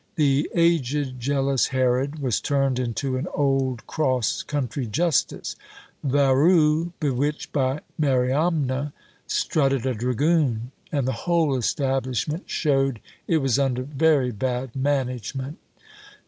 The aged, jealous Herod was turned into an old cross country justice; Varus, bewitched by Mariamne, strutted a dragoon; and the whole establishment showed it was under very bad management.